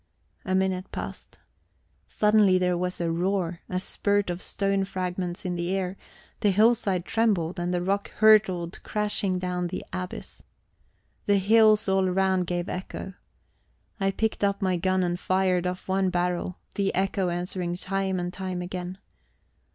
A minute passed. Suddenly there was a roar a spurt of stone fragments in the air the hillside trembled, and the rock hurtled crashing down the abyss. The hills all round gave echo. I picked up my gun and fired off one barrel; the echo answered time and time again.